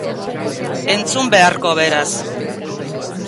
Entzun beharko, beraz.